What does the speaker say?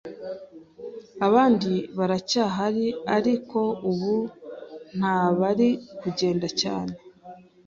abandi baracyahari ariko ubu ntibari kugenda cyane